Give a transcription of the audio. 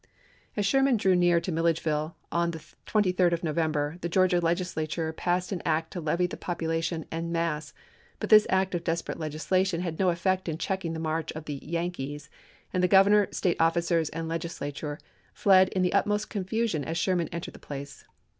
As Sherman drew near to Milledgeville on the 23d of November the Georgia Legislature passed an act to levy the population en masse ; but this act of desperate legislation had no effect in checking the march of the "Yankees," and the Governor, State officers, and Legislature fled in the utmost confusion as Sherman entered the place.